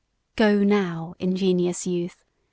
GO now, ingenious youth!